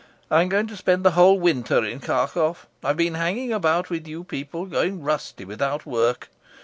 I'm going to spend the whole winter in Kharkov. I've been hanging about with you people, going rusty without work.